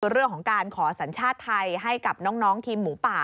เรื่องของการขอสัญชาติไทยให้กับน้องทีมหมูป่า